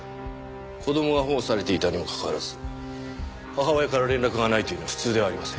子供が保護されていたにもかかわらず母親から連絡がないというのは普通ではありません。